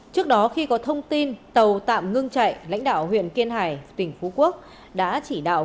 trước đó khi có thông tin tàu tạm ngưng chạy lãnh đạo huyện kiên hải tỉnh phú quốc đã chỉ đạo